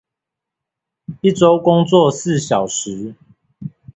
一週工作四小時